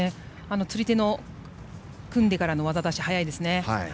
釣り手を組んでからの技出しが早いですね。